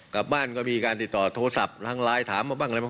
กลับบ้านก็มีการติดต่อโทรศัพท์ทางไลน์ถามมาบ้างอะไรบ้าง